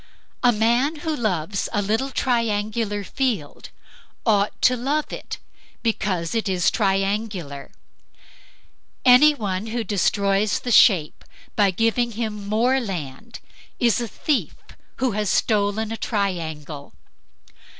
A man who loves a little triangular field ought to love it because it is triangular; anyone who destroys the shape, by giving him more land, is a thief who has stolen a triangle.